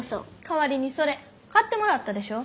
代わりにそれ買ってもらったでしょ。